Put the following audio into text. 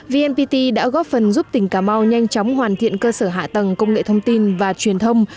vnpt đã góp phần giúp tỉnh cà mau nhanh chóng hoàn thiện cơ sở hạ tầng công nghệ thông tin và truyền thông